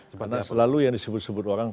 karena selalu yang disebut sebut orang